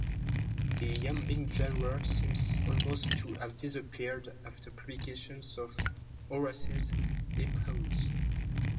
The iambic genre seems almost to have disappeared after publication of Horace's "Epodes".